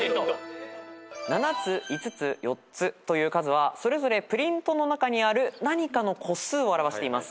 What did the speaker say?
７つ５つ４つという数はそれぞれプリントの中にある何かの個数を表しています。